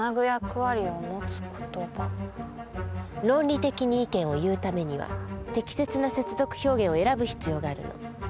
論理的に意見を言うためには適切な接続表現を選ぶ必要があるの。